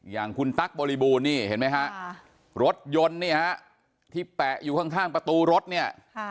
อย่างคุณตั๊กบริบูรณนี่เห็นไหมฮะรถยนต์นี่ฮะที่แปะอยู่ข้างประตูรถเนี่ย